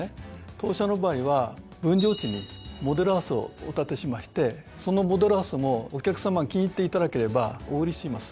当社の場合は分譲地にモデルハウスをお建てしましてそのモデルハウスもお客さま気に入っていただければお売りします。